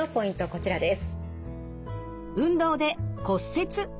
こちらです。